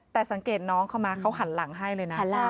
แต่สังเกตน้องเขามาเขาหันหลังให้เลยนะ